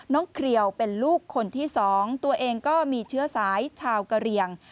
เครียวเป็นลูกคนที่๒ตัวเองก็มีเชื้อสายชาวกะเรียง